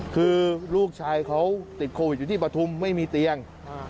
คือลูกชายเขาติดโควิดอยู่ที่ปฐุมไม่มีเตียง